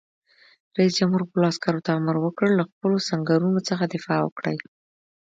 رئیس جمهور خپلو عسکرو ته امر وکړ؛ له خپلو سنگرونو څخه دفاع وکړئ!